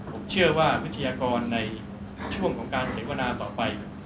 ผมเชื่อว่าวิทยากรในช่วงของการเสวนาต่อไป